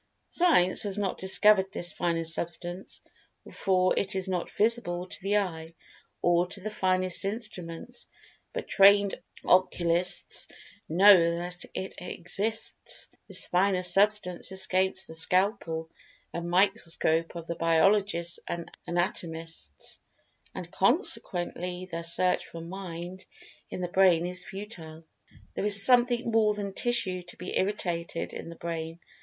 Science has not discovered this finer Substance, for it is not visible to the eye, or to the finest instruments, but trained Occulists know that it exists. This fine Substance escapes the scalpel and microscope of the biologists and anatomists, and, consequently, their search for "Mind" in the Brain is futile. There is something more than "tissue to be irritated" in the Brain.